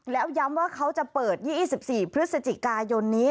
แล้วย้ำว่าเขาจะเปิด๒๔พฤศจิกายนนี้